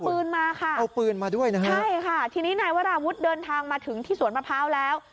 ปืนมาค่ะเอาปืนมาด้วยนะฮะใช่ค่ะทีนี้นายวราวุฒิเดินทางมาถึงที่สวนมะพร้าวแล้ว